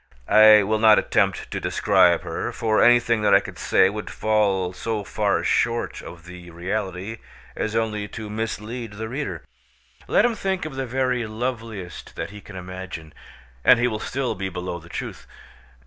I will not attempt to describe her, for anything that I could say would fall so far short of the reality as only to mislead the reader. Let him think of the very loveliest that he can imagine, and he will still be below the truth.